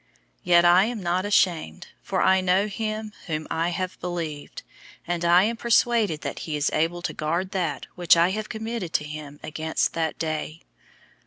Yet I am not ashamed, for I know him whom I have believed, and I am persuaded that he is able to guard that which I have committed to him against that day.